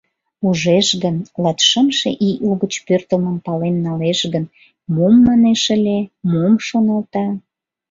Ужеш гын, латшымше ий угыч пӧртылмым пален налеш гын, мом манеш ыле, мом шоналта?